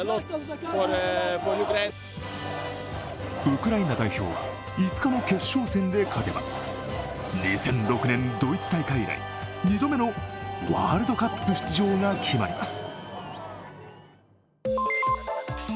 ウクライナ代表は５日の決勝戦で勝てば２００６年、ドイツ大会以来２度目のワールドカップ出場が決まります。